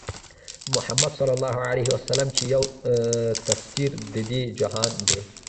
محمدص چې يو تفسير د دې جهان دی